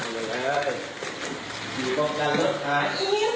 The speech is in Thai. มีรถกันรถหาย